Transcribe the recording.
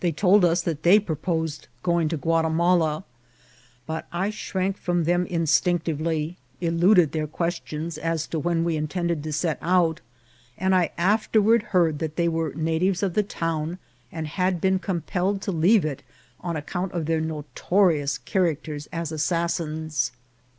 told us that they purposed going to Guatimala ; but I shrank from them instinctively, eluded their questions as to when we intended to set out, and I afterward heard that they were natives of the town, and had been compelled to leave it on account of their notorious characters as assassins.